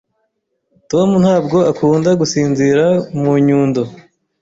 Tom ntabwo akunda gusinzira mu nyundo.